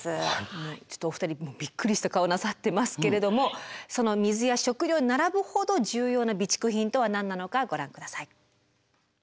ちょっとお二人びっくりした顔なさってますけれどもその水や食料に並ぶほど重要な備蓄品とは何なのかご覧下さい。